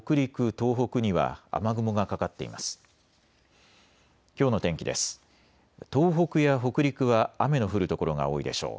東北や北陸は雨の降る所が多いでしょう。